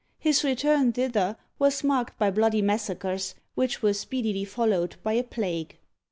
His return thither was marked by bloody massacres, which were speedily followed by a plague.